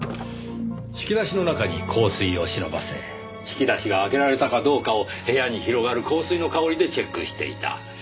引き出しの中に香水を忍ばせ引き出しが開けられたかどうかを部屋に広がる香水の香りでチェックしていた。